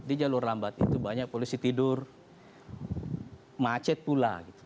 di jalur lambat itu banyak polisi tidur macet pula